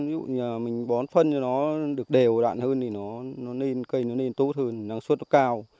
ví dụ mình bón phân cho nó được đều đạn hơn thì cây nó lên tốt hơn năng suất nó cao